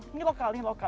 ini lokal ini lokal